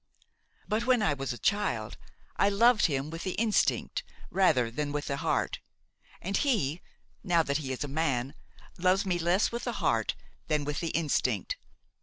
But, when I was a child, I loved him with the instinct rather than with the heart, and he, now that he is a man, loves me less with the heart than with the instinct.